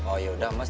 oh yaudah mas